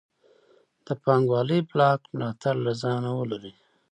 د پانګوالۍ بلاک ملاتړ له ځانه ولري.